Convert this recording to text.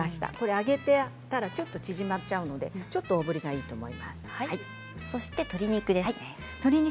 揚げたらちょっと縮まっちゃうのでそして鶏肉ですね。